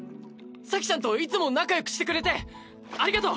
咲ちゃんといつも仲よくしてくれてありがとう！